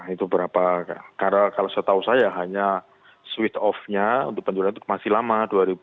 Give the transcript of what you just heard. itu berapa karena kalau saya tahu saya hanya switch off nya untuk penduduk itu masih lama